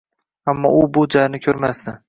Ammo u bu jarni ko‘rmasdi.